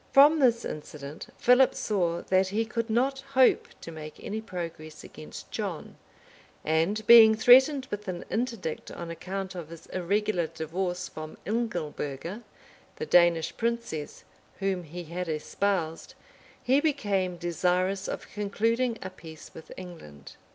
From this incident, Philip saw that he could not hope to make any progress against John; and being threatened with an interdict on account of his irregular divorce from Ingelburga, the Danish princess whom he had espoused, he became desirous of concluding a peace with England.